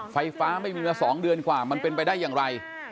ไฟฟ้าไม่มีมา๒เดือนกว่ามันเป็นไปได้อย่างไร